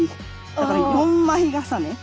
だから４枚重ね。